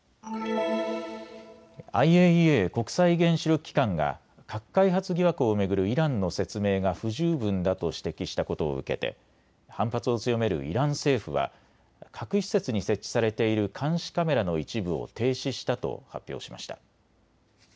ＩＡＥＡ・国際原子力機関が核開発疑惑を巡るイランの説明が不十分だと指摘したことを受けて反発を強めるイラン政府は核施設に設置されている監視カメラの一部を停止したと発表しました。